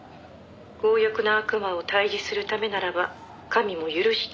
「強欲な悪魔を退治するためならば神も許し給うはずだ」